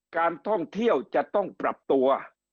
การท่องเที่ยวจะต้องปรับตัว